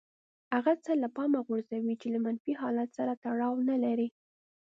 هغه څه له پامه غورځوي چې له منفي حالت سره تړاو نه لري.